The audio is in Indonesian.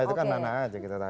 itu kan mana aja kita tahu